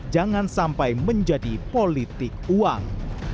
jangan sampai menjadi politik uang